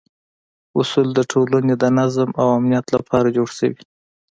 اصول د ټولنې د نظم او امنیت لپاره جوړ شوي.